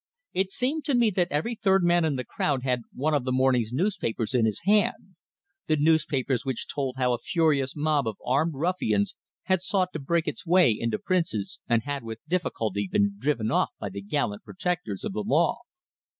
It seemed to me that every third man in the crowd had one of the morning's newspapers in his hand the newspapers which told how a furious mob of armed ruffians had sought to break its way into Prince's, and had with difficulty been driven off by the gallant protectors of the law.